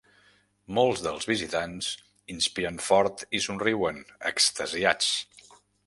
Molts dels visitants inspiren fort i somriuen, extasiats.